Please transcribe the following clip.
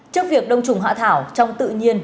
trước việc đông trùng hạ thảo trong tự nhiên